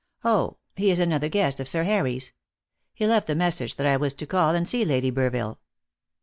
Oh, he is another guest of Sir Harry's. He left the message that I was to call and see Lady Burville."